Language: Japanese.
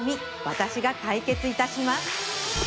私が解決いたします